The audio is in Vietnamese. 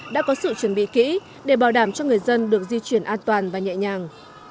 đều chuẩn bị kỹ để bảo đảm cho người dân được di chuyển an toàn và nhẹ nhàng